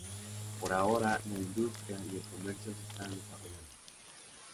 Pero ahora, la Industria y el Comercio se están desarrollando.